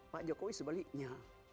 pak jokowi sebaliknya